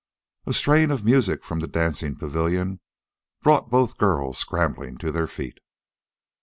A strain of music from the dancing pavilion brought both girls scrambling to their feet.